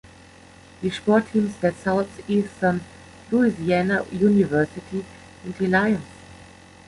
Die Sportteams der Southeastern Louisiana University sind die "Lions".